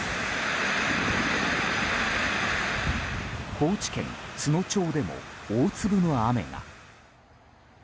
高知県津野町でも大粒の雨が。